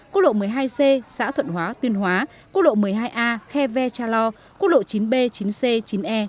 quốc lộ một mươi hai c xã thuận hóa tuyên hóa quốc lộ một mươi hai a khe ve cha lo quốc lộ chín b chín c chín e